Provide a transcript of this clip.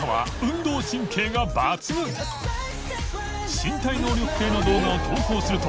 身体能力系の動画を投稿すると）